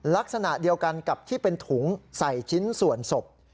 ลักษณะเดียวกันกับที่เป็นถุงใส่ชิ้นส่วนศพ